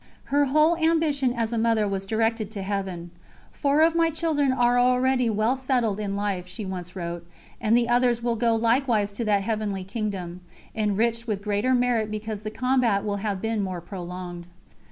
Her whole ambition as a mother was directed to Heaven. "Four of my children are already well settled in life," she once wrote; "and the others will go likewise to that Heavenly Kingdom enriched with greater merit because the combat will have been more prolonged."